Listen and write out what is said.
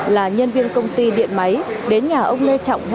là nhân viên công ty điện máy đến nhà ông lê trọng